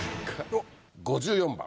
５４番。